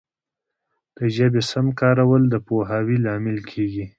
د ژبي سم کارول د پوهاوي لامل کیږي.